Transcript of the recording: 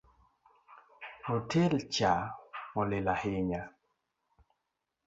Otel cha olil ahinya